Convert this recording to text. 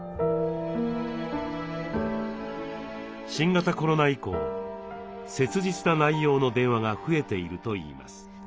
新型コロナ以降切実な内容の電話が増えているといいます。